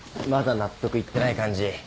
まだ納得いってない感じ？